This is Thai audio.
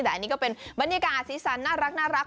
แต่อันนี้ก็เป็นบรรยากาศสีสันน่ารัก